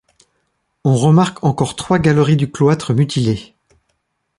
On remarque encore trois galeries du cloître mutilé.